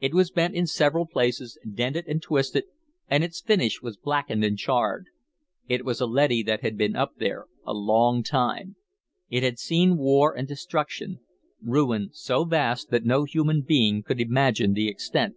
It was bent in several places, dented and twisted, and its finish was blackened and charred. It was a leady that had been up there a long time; it had seen war and destruction, ruin so vast that no human being could imagine the extent.